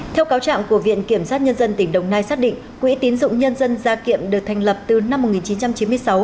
theo cáo trạng của viện kiểm sát nhân dân tỉnh đồng nai xác định quỹ tín dụng nhân dân gia kiệm được thành lập từ năm một nghìn chín trăm chín mươi sáu